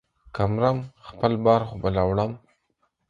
که مرم ، خپل بار خو به لا وړم.